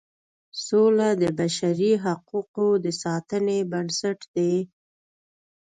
سوله د بشري حقوقو د ساتنې بنسټ دی.